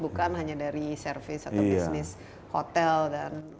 bukan hanya dari service atau bisnis hotel dan